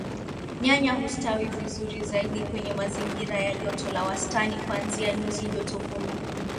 Nyanya hustawi vizuri zaidi kwenye mazingira ya joto la wastani kuanzia nyuzi joto kumi